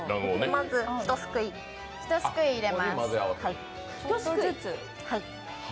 まず、ひとすくい入れます。